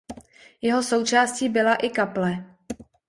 Jeho součástí byla i kaple.